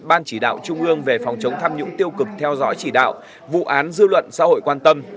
ban chỉ đạo trung ương về phòng chống tham nhũng tiêu cực theo dõi chỉ đạo vụ án dư luận xã hội quan tâm